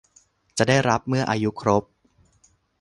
จะได้รับเมื่ออายุครบ